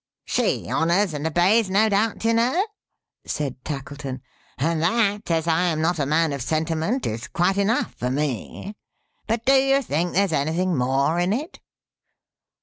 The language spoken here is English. "She honors and obeys, no doubt, you know," said Tackleton; "and that, as I am not a man of sentiment, is quite enough for me. But do you think there's anything more in it?"